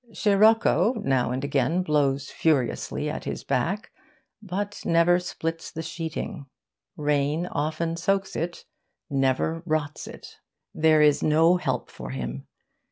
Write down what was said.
Sirocco, now and again, blows furiously at his back, but never splits the sheeting. Rain often soaks it, never rots it. There is no help for him.